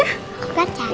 aku kan cantik